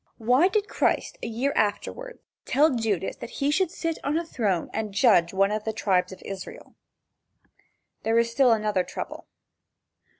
Why did Christ a year afterward, tell Judas that he should sit on a throne and judge one of the tribes of Israel? There is still another trouble.